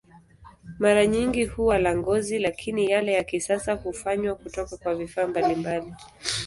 Mara nyingi huwa la ngozi, lakini yale ya kisasa hufanywa kutoka kwa vifaa mbalimbali.